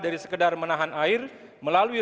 dari sekedar menahan air melalui